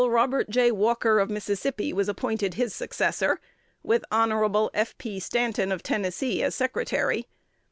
Robert J. Walker of Mississippi was appointed his successor, with Hon. F. P. Stanton of Tennessee as secretary.